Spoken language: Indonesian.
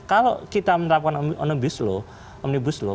kalau kita menerapkan omnibus law